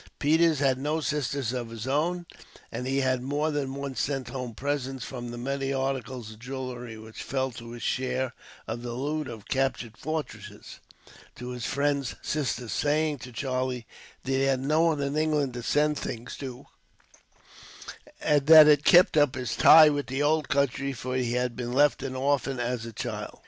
Peters had no sisters of his own; and he had more than once sent home presents, from the many articles of jewelry which fell to his share of the loot of captured fortresses, to his friend's sisters, saying to Charlie that he had no one in England to send things to, and that it kept up his tie with the old country; for he had been left an orphan, as a child.